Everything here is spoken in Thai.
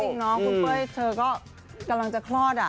คุณเป้ยเธอกำลังจะคลอดอ่ะ